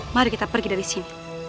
mari kita pergi dari sini